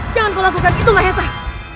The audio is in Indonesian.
jangan kau lakukan itulah hesaik